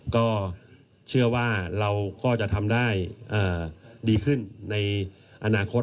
ก็เชื่อว่าเราก็จะทำได้ดีขึ้นในอนาคต